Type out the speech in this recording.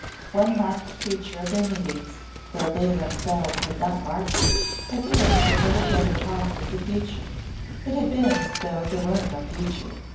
One marked feature of their meetings though they themselves had not marked it had been that they had never talked of the future. It had been as though there were no future.